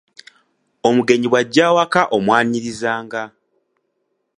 Omugenyi bw’ajja awaka omwanirizanga.